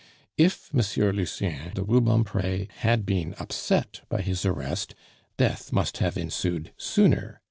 If Monsieur Lucien de Rubempre had been upset by his arrest, death must have ensued sooner.